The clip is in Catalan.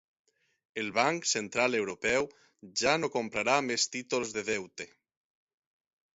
El Banc Central Europeu ja no comprarà més títols de deute